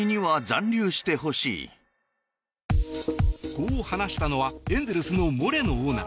こう話したのはエンゼルスのモレノオーナー。